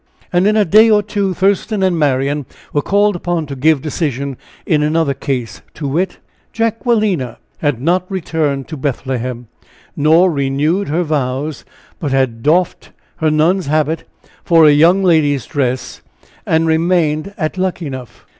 And in a day or two Thurston and Marian were called upon to give decision in another case, to wit: Jacquelina had not returned to Bethlehem, nor renewed her vows; but had doffed her nun's habit for a young lady's dress, and remained at Luckenough.